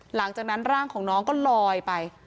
หลังจากนั้นร่างของน้องก็ลอยไป